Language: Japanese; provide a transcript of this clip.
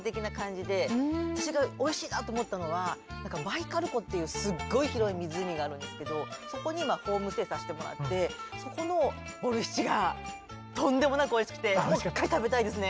私がおいしいなと思ったのはバイカル湖っていうすっごい広い湖があるんですけどそこにホームステイさせてもらってそこのボルシチがとんでもなくおいしくてもう一回食べたいですね。